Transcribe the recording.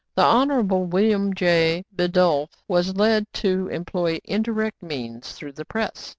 The Honorable William J. Bidulph was led to employ indirect means through the press.